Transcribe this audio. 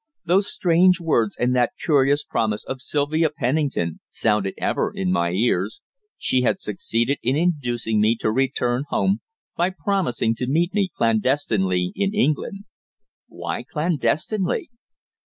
Those strange words, and that curious promise of Sylvia Pennington sounded ever in my ears. She had succeeded in inducing me to return home by promising to meet me clandestinely in England. Why clandestinely?